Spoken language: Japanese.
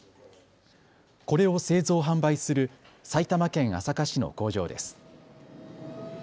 これを製造・販売する埼玉県朝霞市の工場です。